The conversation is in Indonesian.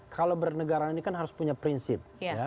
kalau bernegara ini kan harus punya prinsip